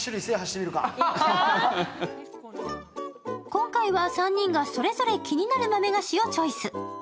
今回は３人がそれぞれが気になる豆菓子をチョイス。